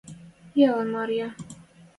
Ӹлен Марья —